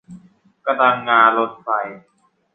กระดังงาลนไฟ